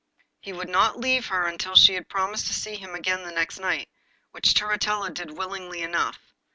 He would not leave her until she had promised to see him again the next night, which Turritella did willingly enough.